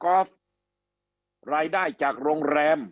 คำอภิปรายของสอสอพักเก้าไกลคนหนึ่ง